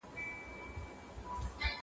زه اوس موسيقي اورم؟